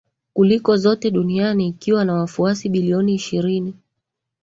kuliko zote duniani ikiwa na wafuasi bilioni ishirini